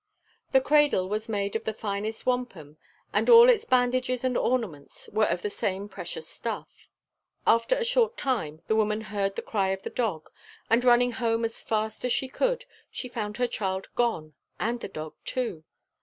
The cradle was made of the finest wampum, and all its bandages and ornaments were of the same precious stuff. After a short time, the woman heard the cry of the dog, and running home as fast as she could, she found her child gone, and the dog too.